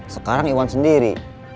sekarang iwan sendiri